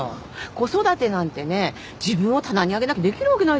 子育てなんてね自分を棚に上げなきゃできるわけないでしょ。